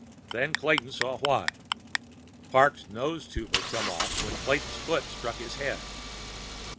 Then Clayton saw why. Parks' nose tube had come off when Clayton's foot struck his head.